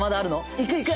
行く行く！